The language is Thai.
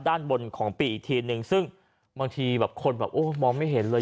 ด้านบนของปีอีกทีนึงซึ่งบางทีแบบคนแบบโอ้มองไม่เห็นเลย